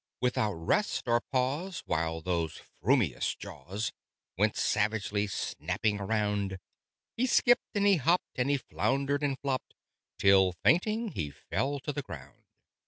Without rest or pause while those frumious jaws Went savagely snapping around He skipped and he hopped, and he floundered and flopped, Till fainting he fell to the ground.